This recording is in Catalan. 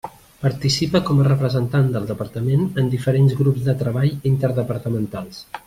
Participa com a representant del Departament en diferents grups de treball interdepartamentals.